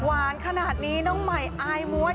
หวานขนาดนี้น้องใหม่อายม้วน